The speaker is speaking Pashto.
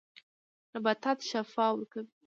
نباتات شفاء ورکوي.